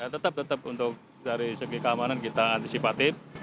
tetap tetap untuk dari segi keamanan kita antisipatif